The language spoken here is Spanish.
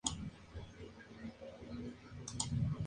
Se concede gran importancia a la oración pública.